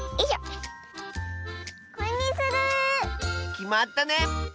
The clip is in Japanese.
きまったね！